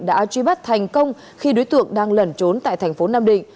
đã truy bắt thành công khi đối tượng đang lẩn trốn tại thành phố nam định